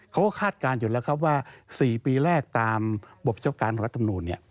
เขาก็คาดการณ์อยู่แล้วครับว่า๔ปีแรกตามบทพิจารณ์ของรัฐสำนวน